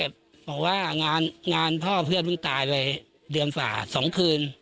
บอกว่างานพ่อเพื่อนเพิ่งตายไปเดือนฝ่า๒คืน